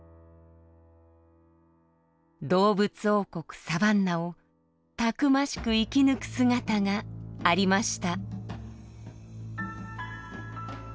動物王国サバンナをたくましく生き抜く姿がありました。